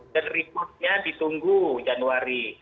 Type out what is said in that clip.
dan reportnya ditunggu januari